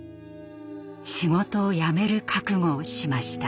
仕事を辞める覚悟をしました。